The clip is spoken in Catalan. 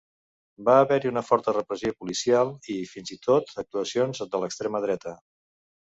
Va haver-hi una forta repressió policial i, fins i tot, actuacions de l'extrema dreta.